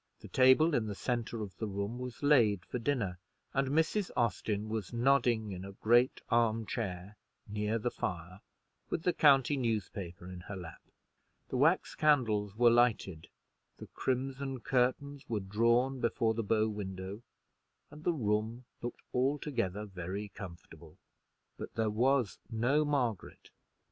The table in the centre of the room was laid for dinner, and Mrs. Austin was nodding in a great arm chair near the fire, with the county newspaper in her lap. The wax candles were lighted, the crimson curtains were drawn before the bow window, and the room looked altogether very comfortable: but there was no Margaret.